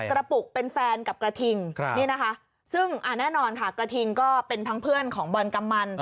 กระปุกเป็นแฟนกับกระทิงซึ่งแน่นอนกระทิงก็เป็นทั้งเพื่อนของเบิร์นกำมัน